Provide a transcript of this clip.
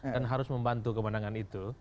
dan harus membantu kemenangan itu